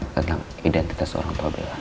tentang identitas orang tua bela